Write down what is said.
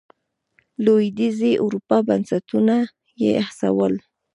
لوېدیځې اروپا بنسټونه یې هڅول.